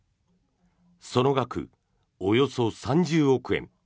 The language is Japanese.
その額、およそ３０億円。